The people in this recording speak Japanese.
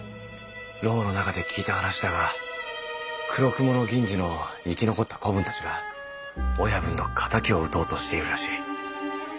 牢の中で聞いた話だが黒雲の銀次の生き残った子分たちが親分の仇を討とうとしているらしい。